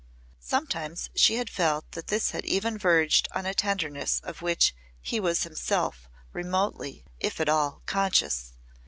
Sometimes she had felt that this had even verged on a tenderness of which he was himself remotely, if at all, conscious.